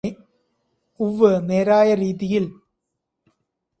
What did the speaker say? ഉവ്വ് നേരായ രീതിയില്